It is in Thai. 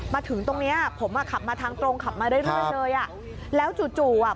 มาถึงตรงเนี้ยผมอ่ะขับมาทางตรงขับมาเรื่อยเลยอ่ะแล้วจู่จู่อ่ะ